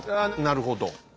なるほど。